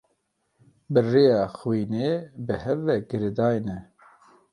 Bi rêya xwînê bi hev ve girêdayî ne.